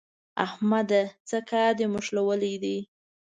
احمده! څه کار دې نښلولی دی؟